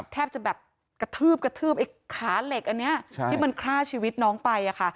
แทบจะแบบกระทืบกระทืบไอ้ขาเหล็กอันนี้ที่มันฆ่าชีวิตน้องไป